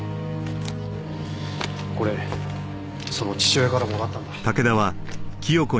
これその父親からもらったんだ。